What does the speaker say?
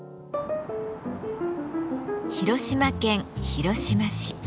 広島県広島市。